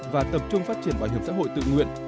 và tập trung phát triển bảo hiểm xã hội tự nguyện